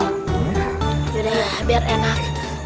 yaudah ya biar enak